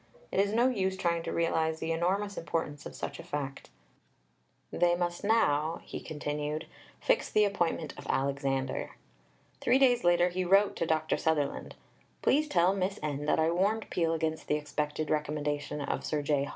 It is no use trying to realize the enormous importance of such a fact." They must now, he continued, "fix the appointment of Alexander." Three days later he wrote to Dr. Sutherland: "Please tell Miss N. that I warned Peel against the expected recommendation of Sir J.